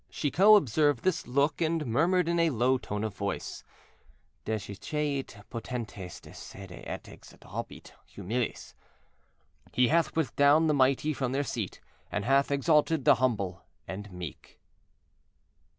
Chicot observed this look, and murmured in a low tone of voice, "Dejiciet potentes de sede et exaltabit humiles"—"He hath put down the mighty from their seat, and hath exalted the humble and meek."